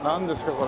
これ。